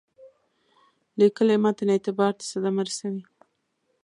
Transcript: لیکلي متن اعتبار ته صدمه رسوي.